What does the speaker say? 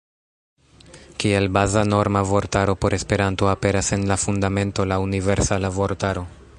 Kiel baza norma vortaro por Esperanto aperas en la Fundamento la "Universala Vortaro".